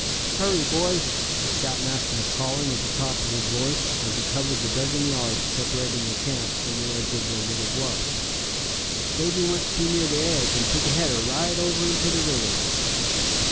"Hurry, boys!" the scoutmaster was calling at the top of his voice, as he covered the dozen yards separating the camp from the edge of the little bluff; "Davy went too near the edge, and took a header right over into the river!"